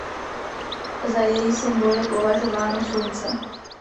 Za její symbol je považováno slunce.